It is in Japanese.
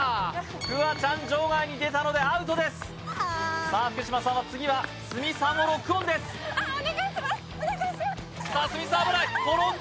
フワちゃん場外に出たのでアウトですさあ福島さんは次は鷲見さんをロックオンですさあ鷲見さん